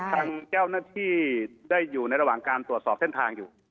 ทางเจ้าหน้าที่ได้อยู่ในระหว่างการตรวจสอบเส้นทางอยู่